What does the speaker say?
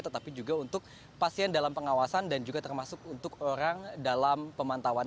tetapi juga untuk pasien dalam pengawasan dan juga termasuk untuk orang dalam pemantauan